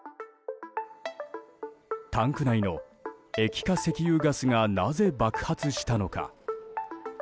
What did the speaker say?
タンク内の液化石油ガスがなぜ爆発したのか。